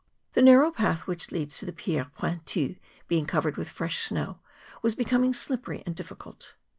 The narrow path which leads to the Pierres Pointues, being covered with fresh snow, was become slippery and difficult.